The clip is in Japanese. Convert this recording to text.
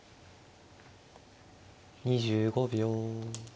２５秒。